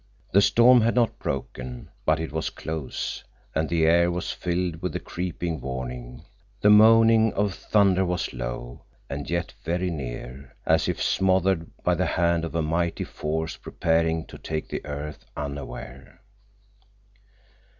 The storm had not broken, but it was close, and the air was filled with a creeping warning. The moaning of thunder was low, and yet very near, as if smothered by the hand of a mighty force preparing to take the earth unaware.